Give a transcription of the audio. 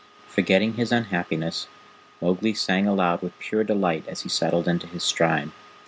Forgetting his unhappiness, Mowgli sang aloud with pure delight as he settled into his stride.